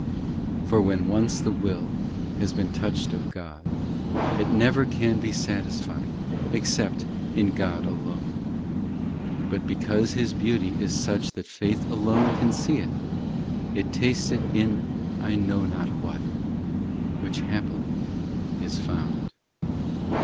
v For when once the will Has been touched of God, It never can be satisfied Except in God alone. But because His beauty Is such that faith alone can see it, It tastes it in I know not what, Which happily is found.